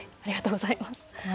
ありがとうございます。